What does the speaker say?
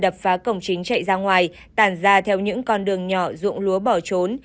đập phá cổng chính chạy ra ngoài tàn ra theo những con đường nhỏ dụng lúa bỏ trốn